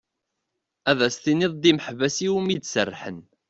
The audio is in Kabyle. Ad as-tiniḍ d imeḥbas iwumi d-serḥen.